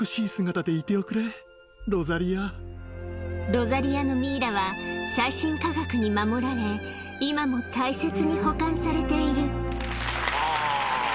ロザリアのミイラは最新科学に守られ今も大切に保管されているはぁ。